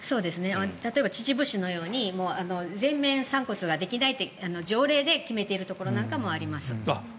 例えば秩父市のように全面、散骨ができないって条例で決めているところなんかもあります。